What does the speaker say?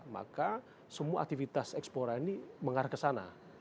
maka semua aktivitas ekspor ini mengarah ke sana